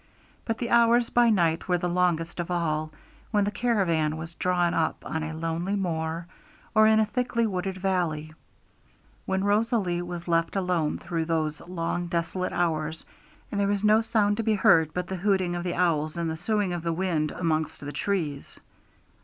But the hours by night were the longest of all, when the caravan was drawn up on a lonely moor, or in a thickly wooded valley; when Rosalie was left alone through those long desolate hours, and there was no sound to be heard but the hooting of the owls and the soughing of the wind amongst the trees.